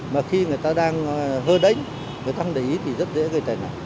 mà khi người ta đang hơ đánh người ta không để ý thì rất dễ gây tài nạn